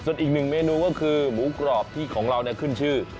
ส่วนอีกหนึ่งเมนูก็คือหมูกรอบที่ของเราขึ้นชื่อ